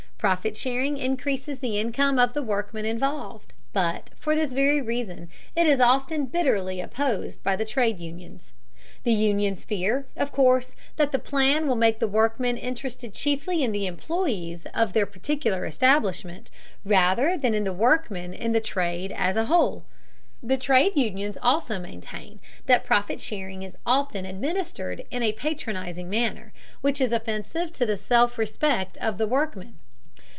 Profit sharing increases the income of the workmen involved, but for this very reason it is often bitterly opposed by the trade unions. The unions fear, of course, that the plan will make the workmen interested chiefly in the employees of their particular establishment, rather than in the workmen in the trade as a whole. The trade unions also maintain that profit sharing is often administered in a patronizing manner, which is offensive to the self respect of the workmen.